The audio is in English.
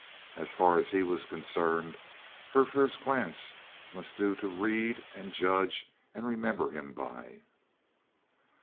As far as he was concerned, her first glance must do to read and judge and remember him by.